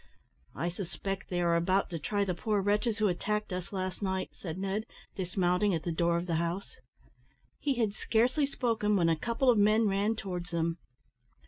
"I suspect they are about to try the poor wretches who attacked us last night," said Ned, dismounting at the door of the house. He had scarcely spoken, when a couple of men ran towards them.